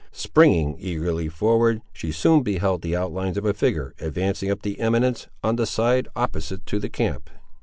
Springing eagerly forward, she soon beheld the outlines of a figure advancing up the eminence, on the side opposite to the camp.